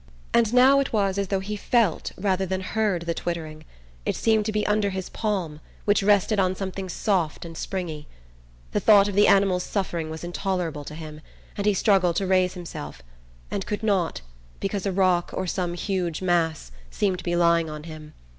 And now it was as though he felt rather than heard the twittering; it seemed to be under his palm, which rested on something soft and springy. The thought of the animal's suffering was intolerable to him and he struggled to raise himself, and could not because a rock, or some huge mass, seemed to be lying on him.